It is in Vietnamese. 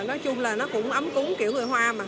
nói chung là nó cũng ấm cúng kiểu người hoa mà